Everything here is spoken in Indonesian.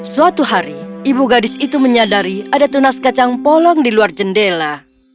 suatu hari ibu gadis itu menyadari ada tunas kacang polong di luar jendela